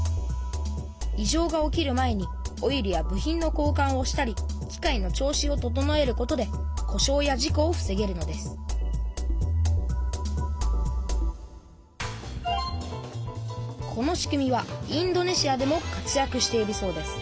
いじょうが起きる前にオイルや部品の交かんをしたり機械の調子を整えることでこしょうや事こをふせげるのですこの仕組みはインドネシアでも活やくしているそうです